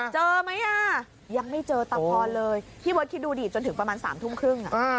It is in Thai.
เจอไหมอ่ะยังไม่เจอตาพรเลยพี่เบิร์ตคิดดูดิจนถึงประมาณ๓ทุ่มครึ่ง